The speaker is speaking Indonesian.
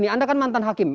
anda kan mantan hakim